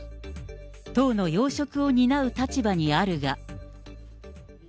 党の要職を担う立場にあるが。